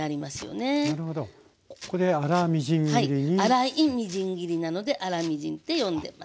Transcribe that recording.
粗いみじん切りなので粗みじんって呼んでます。